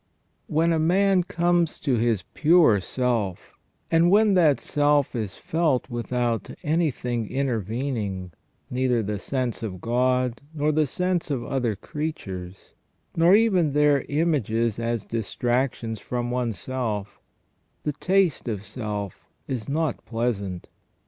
When a man comes to his pure self, and when that self is felt without anything intervening, neither the sense of God, nor the sense of other creatures, nor even their images as distractions from one's self, the taste of self is not pleasant.